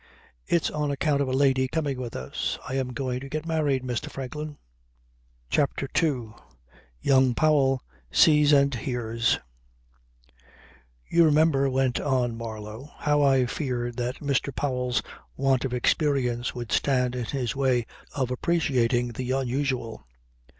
It's on account of a lady coming with us. I am going to get married, Mr. Franklin!" CHAPTER TWO YOUNG POWELL SEES AND HEARS "You remember," went on Marlow, "how I feared that Mr. Powell's want of experience would stand in his way of appreciating the unusual.